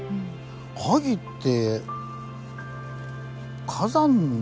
萩って。